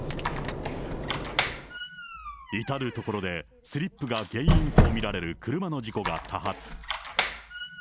至る所で、スリップが原因と見られる車の事故が多発。